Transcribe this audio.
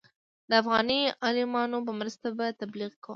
د افغاني عالمانو په مرسته به تبلیغ کوم.